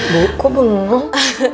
bu kok bengong